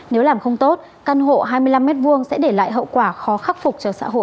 nếu làm không tốt căn hộ hai mươi năm m hai sẽ để lại hậu quả khó khắc phục cho xã hội